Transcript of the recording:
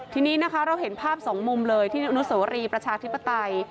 ทีนี้นะคะเราเห็นภาพสองมุมเลยที่อนุสวรีประชาธิปไตย